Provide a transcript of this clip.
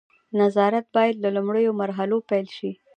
نظارت باید له لومړیو مرحلو پیل شي.